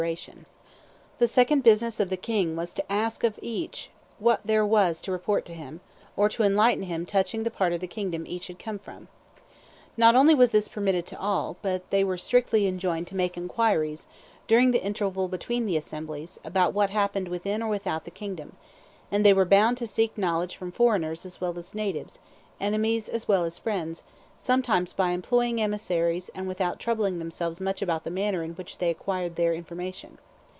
[Illustration: Charlemagne and the General Assembly 239] "The second business of the king was to ask of each what there was to report to him, or enlighten him touching the part of the kingdom each had come from. Not only was this permitted to all, but they were strictly enjoined to make inquiries, during the interval between the assemblies, about what happened within or without the kingdom; and they were bound to seek knowledge from foreigners as well as natives, enemies as well as friends, sometimes by employing emissaries, and without troubling themselves much about the manner in which they acquired their information.